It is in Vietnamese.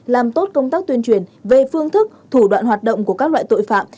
các công tác tuyên truyền về phương thức thủ đoạn hoạt động của các loại tội phạm